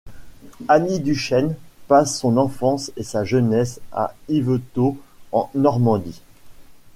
Annie Duchesne passe son enfance et sa jeunesse à Yvetot en Normandie.